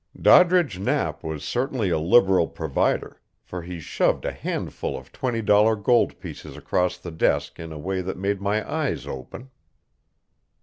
Doddridge Knapp was certainly a liberal provider, for he shoved a handful of twenty dollar gold pieces across the desk in a way that made my eyes open.